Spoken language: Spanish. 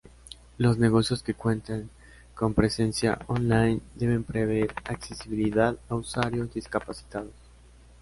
Los negocios que cuenten con presencia online deben proveer accesibilidad a usuarios discapacitados.